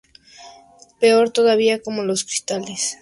Peor todavía, como los cristales estallan uno por uno.